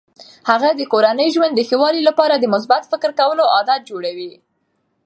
هغه د کورني ژوند د ښه والي لپاره د مثبت فکر کولو عادات جوړوي.